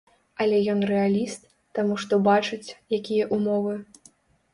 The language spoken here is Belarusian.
Але ён рэаліст, таму што бачыць, якія ўмовы.